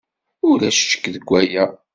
Ulac ccek deg waya.